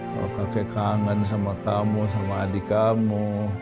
kalau kakek kangen sama kamu sama adik kamu